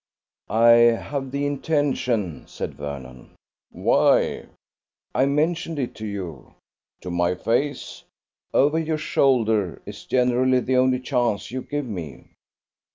"I have the intention," said Vernon. "Why?" "I've mentioned it to you." "To my face?" "Over your shoulder is generally the only chance you give me."